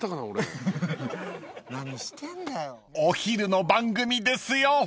［お昼の番組ですよ］